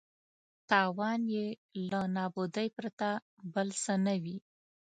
تاوان یې له نابودۍ پرته بل څه نه وي.